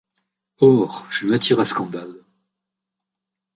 Or, fut matière à scandale.